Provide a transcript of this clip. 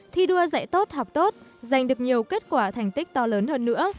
thi đua dạy tốt học tốt giành được nhiều kết quả thành tích to lớn hơn nữa